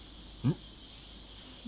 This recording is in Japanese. うん。